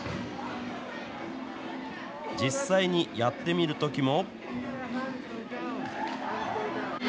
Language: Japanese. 実際にやってみるときも。